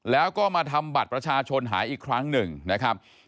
แล้วก็มาทำบัตรประชาชนหายอีกครั้งหนึ่งนะครับ